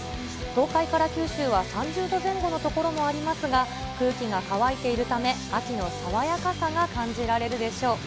東海から九州は３０度前後の所もありますが、空気が乾いているため、秋の爽やかさが感じられるでしょう。